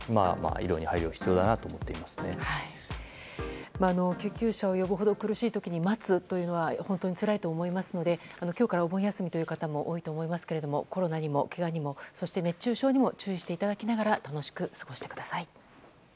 医療に配慮が救急車を呼ぶほど苦しい時に本当につらいと思いますので今日からお盆休みという方も多いと思いますけれどもコロナにもけがにもそして熱中症にも注意していただきながら楽しく過ごしてください。